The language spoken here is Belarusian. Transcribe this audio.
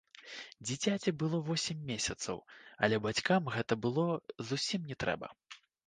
Дзіцяці было восем месяцаў, але бацькам гэта было не зусім трэба.